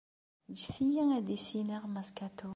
Ǧǧet-iyi ad d-ssisneɣ Mass Kato.